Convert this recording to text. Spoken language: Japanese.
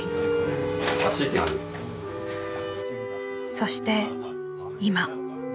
そして今。